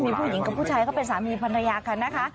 มีผู้หญิงกับผู้ชายเขาเป็นสามีภรรยากันนะคะ